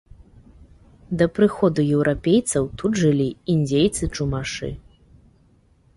Да прыходу еўрапейцаў тут жылі індзейцы-чумашы.